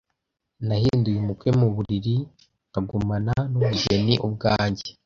Nahinduye umukwe muburiri nkagumana numugeni ubwanjye,